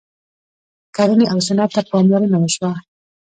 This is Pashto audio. کرنې او صنعت ته پاملرنه وشوه.